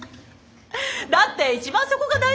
だって一番そこが大事でしょ？